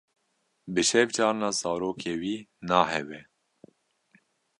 Bi şev carna zarokê wî nahewe.